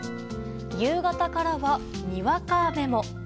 夕方からは、にわか雨も。